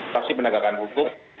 saksi penegakan hukum